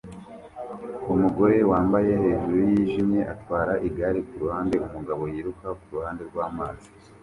Umugore wambaye hejuru yijimye atwara igare kuruhande umugabo yiruka kuruhande rwamazi